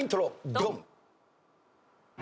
ドン！